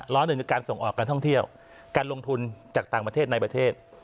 หนึ่งคือการส่งออกการท่องเที่ยวการลงทุนจากต่างประเทศในประเทศ